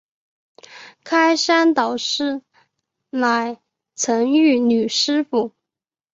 开山导师乃曾玉女师傅。